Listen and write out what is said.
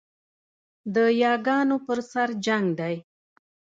د یاګانو پر سر جنګ دی